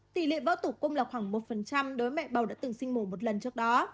tỷ lệ vỡ tục cung là khoảng một đối mẹ bầu đã từng sinh mổ một lần trước đó